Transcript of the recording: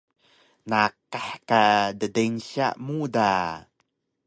naqih ka ddeynsya mu da